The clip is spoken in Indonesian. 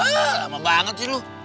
lama banget sih lo